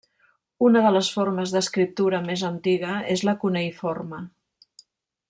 Una de les formes d'escriptura més antiga és la cuneïforme.